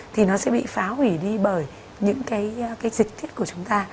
thì nó sẽ bị phá hủy đi bởi những cái dịch thiết của chúng ta